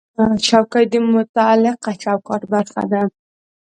چوکۍ د متعلقه چوکاټ برخه ده.